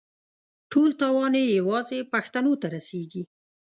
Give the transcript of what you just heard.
ټول تاوان یې یوازې پښتنو ته رسېږي.